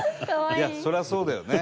いやそりゃそうだよね。